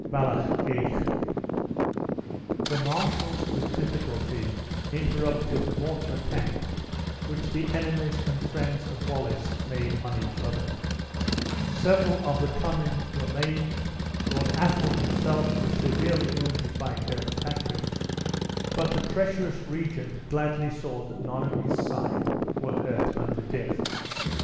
Ballochgeich. The marshals with difficulty interrupted the mortal attack which the enemies and friends of Wallace made on each other; several of the Cummins were maimed, Lord Athol himself was severely wounded by Kirkpatrick, but the teacherous regent gladly saw that none on his side were hurt unto death.